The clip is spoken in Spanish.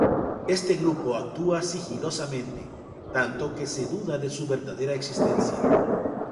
Este grupo actúa sigilosamente, tanto que se duda de su verdadera existencia.